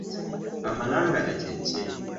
Amalangata kye ki?